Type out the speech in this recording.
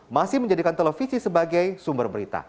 masih menjadikan televisi sebagai sumber berita